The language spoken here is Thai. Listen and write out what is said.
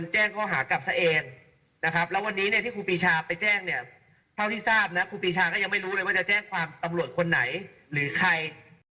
แจ้งข้อหากลับซะเองนะครับแล้ววันนี้เนี่ยที่ครูปีชาไปแจ้งเนี่ยเท่าที่ทราบนะครูปีชาก็ยังไม่รู้เลยว่าจะแจ้งความตำรวจคนไหนหรือใคร